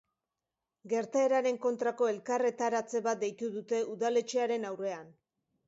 Gertaeraren kontrako elkarretaratze bat deitu dute udaletxearen aurrean.